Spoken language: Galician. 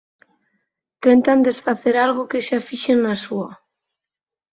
Tentan desfacer algo que xa fixen na súa.